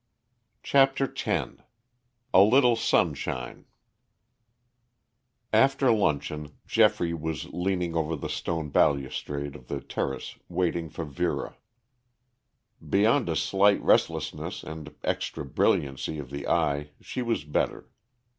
CHAPTER X A LITTLE SUNSHINE After luncheon, Geoffrey was leaning over the stone balustrade of the terrace waiting for Vera. Beyond a slight restlessness and extra brilliancy of the eye she was better.